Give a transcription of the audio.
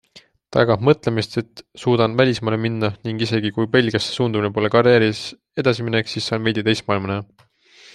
Ta jagab mõtlemist, et suudan välismaale minna ning isegi, kui Belgiasse suundumine pole karjääris edasiminek, siis saan veidi teist maailma näha.